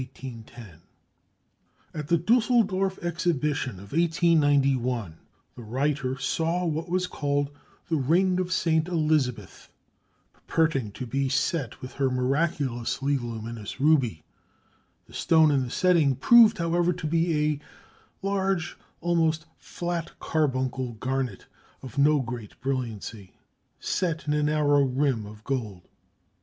At the Dusseldorf Exhibition of 1891, the writer saw what was called "The Ring of St. Elizabeth," purporting to be set with her miraculously luminous ruby. The stone in the setting proved, however, to be a large almost flat carbuncle garnet of no great brilliancy, set in a narrow rim of gold.